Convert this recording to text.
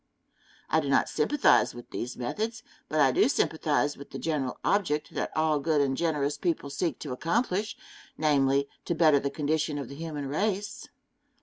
I do not sympathize with these methods, but I do sympathize with the general object that all good and generous people seek to accomplish namely, to better the condition of the human race.